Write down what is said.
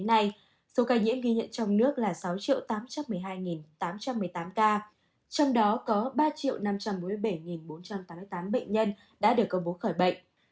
đến nay số ca nhiễm ghi nhận trong nước là sáu tám trăm một mươi hai tám trăm một mươi tám ca trong đó có ba năm trăm bốn mươi bảy bốn trăm tám mươi tám bệnh nhân đã được công bố khỏi bệnh